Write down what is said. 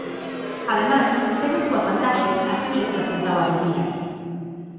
Ademais, ten as súas vantaxes aquilo que apuntaba Rovira: